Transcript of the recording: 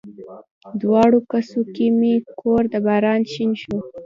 دواړو کسو کې مې کور د باران شین شو